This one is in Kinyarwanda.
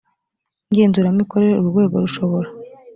ngenzuramikorere urwo rwego rushobora